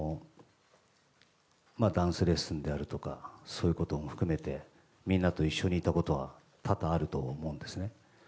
ダンスレッスンであるとかそういうことも含めてみんなと一緒にいたことは多々あると思うんですね。